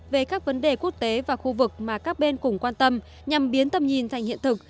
về các vấn đề quốc tế và khu vực mà các bên cùng quan tâm nhằm biến tầm nhìn thành hiện thực